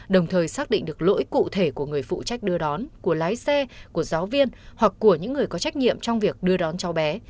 đồng thời xác định được lỗi cụ thể của người phụ trách đưa đón của lái xe của giáo viên hoặc của những người có trách nhiệm trong việc đưa đón cháu bé